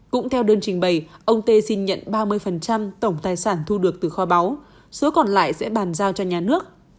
cũng theo đơn trình bày ông tê xin nhận ba mươi tổng tài sản thu được từ kho báu số còn lại sẽ bàn giao cho nhà nước